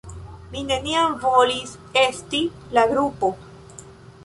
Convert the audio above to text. Mi neniam volis "esti" la grupo.